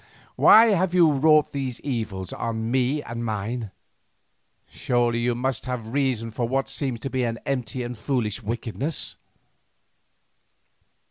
Why have you wrought these evils on me and mine? Surely you must have some reason for what seems to be an empty and foolish wickedness."